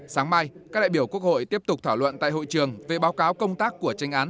sáng mai các đại biểu quốc hội tiếp tục thảo luận tại hội trường về báo cáo công tác của tranh án